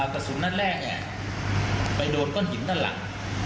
กระสุนนัดแรกไปโดนก้อนหินด้านหลัง